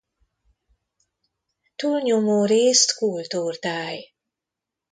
Túlnyomórészt kultúrtáj.